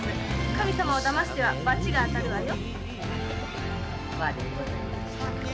神さまを騙しては罰が当たるわよ。